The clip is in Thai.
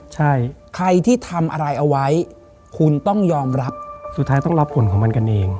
ใช่ใครที่ทำอะไรเอาไว้คุณต้องยอมรับสุดท้ายต้องรับผลของมันกันเอง